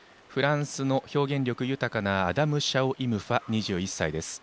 フランスの表現力豊かなアダム・シャオイムファ、２１歳。